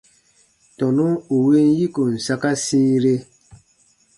Tɔnu ù win yikon saka sĩire.